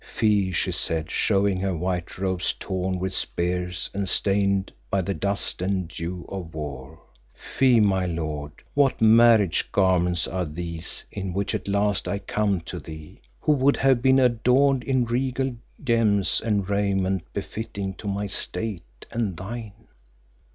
"Fie!" she said, showing her white robes torn with spears and stained by the dust and dew of war; "Fie, my lord, what marriage garments are these in which at last I come to thee, who would have been adorned in regal gems and raiment befitting to my state and thine?"